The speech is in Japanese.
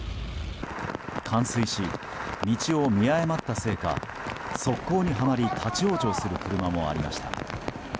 冠水し道を見誤ったせいか側溝にはまり立ち往生する車もありました。